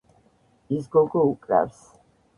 ის გოგო უკრავს